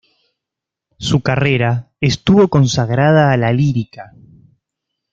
Su carrera estuvo consagrada a la lírica.